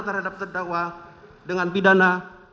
terhadap terdakwa dengan pidana